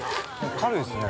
◆軽いですね。